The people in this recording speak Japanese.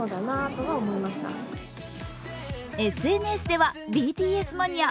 ＳＮＳではＢＴＳマニア！！